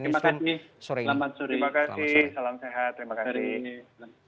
terima kasih selamat sore